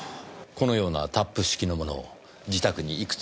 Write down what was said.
このようなタップ式のものを自宅にいくつも。